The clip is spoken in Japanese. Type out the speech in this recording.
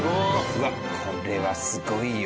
うわっこれはすごいよ。